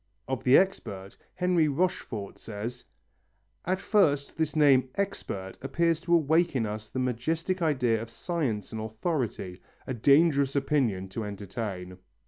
Of the expert, Henry Rochefort says: "At first this name expert appears to awake in us the majestic idea of science and authority. A dangerous opinion to entertain."